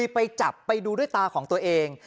ไปจับไปดูด้วยตาของตัวเอง